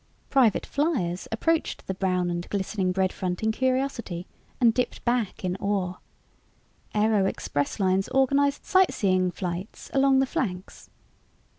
Private fliers approached the brown and glistening bread front in curiosity and dipped back in awe. Aero expresslines organized sightseeing flights along the flanks.